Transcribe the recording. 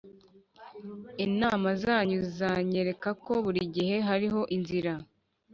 inama zanyu zanyereka ko burigihe hariho inzira.